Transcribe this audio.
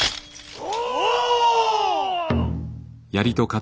お！